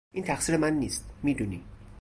این تقصیر من نیست، میدونی.